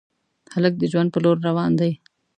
هلک د ژوند په لور روان دی.